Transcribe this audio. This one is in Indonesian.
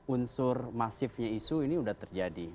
unsur masifnya isu ini sudah terjadi